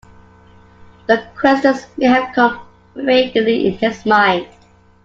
The questions may have come vaguely in his mind.